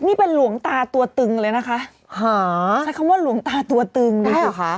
นี่เป็นหลวงตาตัวตึงเลยนะคะหาใช้คำว่าหลวงตาตัวตึงได้เหรอคะ